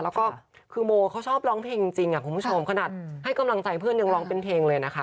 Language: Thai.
แล้วก็คือโมเขาชอบร้องเพลงจริงคุณผู้ชมขนาดให้กำลังใจเพื่อนยังร้องเป็นเพลงเลยนะคะ